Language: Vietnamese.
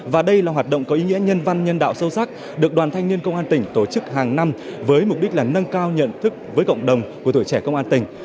và đây là hoạt động có ý nghĩa nhân văn nhân đạo sâu sắc được đoàn thanh niên công an tỉnh tổ chức hàng năm với mục đích là nâng cao nhận thức với cộng đồng của tuổi trẻ công an tỉnh